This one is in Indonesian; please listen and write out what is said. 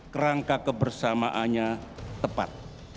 kerangka kebersamaannya tepat